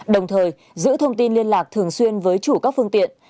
đồng thời giữ thông tin liên lạc thường xuyên với chủ các phương tiện